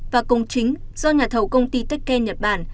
và cống chính do nhà thầu công ty techken nhật bản